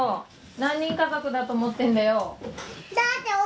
何人家族だと思ってるんだよ。